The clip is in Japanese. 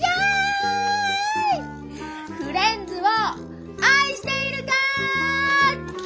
フレンズを愛しているか！